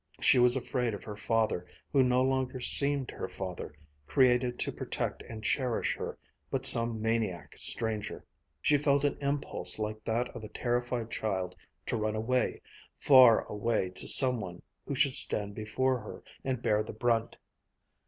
She was afraid of her father, who no longer seemed her father, created to protect and cherish her, but some maniac stranger. She felt an impulse like that of a terrified child to run away, far away to some one who should stand before her and bear the brunt.